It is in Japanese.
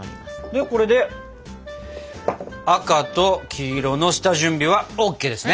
でこれで赤と黄色の下準備はＯＫですね！